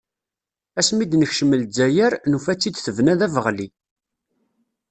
Ass mi d-nekcem lezzayer, nufa-tt-id tebna d abeɣli.